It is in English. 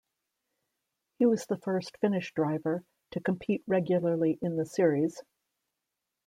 He was the first Finnish driver to compete regularly in the series.